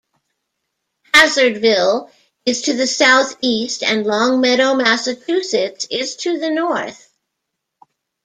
Hazardville is to the southeast, and Longmeadow, Massachusetts, is to the north.